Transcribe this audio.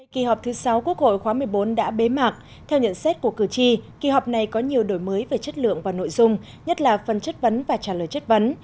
kỳ họp thứ sáu quốc hội khóa một mươi bốn đã bế mạc theo nhận xét của cử tri kỳ họp này có nhiều đổi mới về chất lượng và nội dung nhất là phần chất vấn và trả lời chất vấn